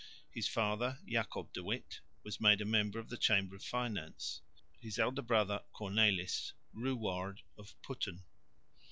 His father, Jacob de Witt, was made a member of the Chamber of Finance; his elder brother, Cornelis, Ruwaard of Putten.